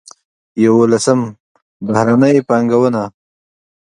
یولسم: بهرنۍ پانګونه.